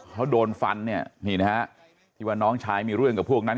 เขาโดนฟันเนี่ยนี่นะฮะที่ว่าน้องชายมีเรื่องกับพวกนั้น